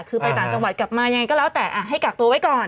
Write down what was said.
คือไปต่างจังหวัดกลับมายังไงก็แล้วแต่ให้กักตัวไว้ก่อน